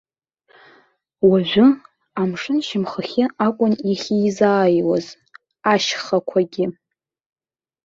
Уажәы, амшын шьамхахьы акәын иахьизааиуаз, ашьхақәагьы.